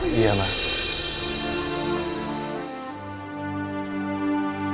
jadi kamu masih marah